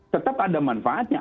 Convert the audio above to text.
tetap ada manfaatnya